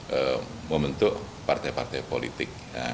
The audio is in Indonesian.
dan juga membentuk partai partai politik